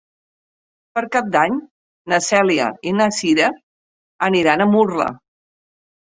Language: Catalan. Per Cap d'Any na Cèlia i na Cira aniran a Murla.